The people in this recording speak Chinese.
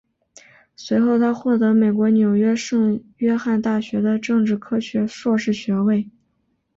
随后他获得美国纽约圣约翰大学的政治科学硕士学位。